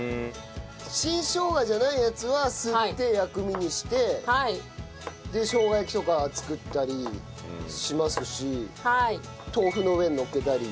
新生姜じゃないやつはすって薬味にしてで生姜焼きとか作ったりしますし豆腐の上にのっけたり。